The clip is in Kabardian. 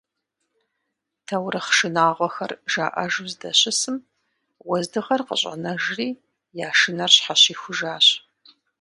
Таурыхъ шынагъуэхэр жаӏэжу здэщысым, уэздыгъэр къыщӏэнэжыри, я шынэр щхьэщихужащ.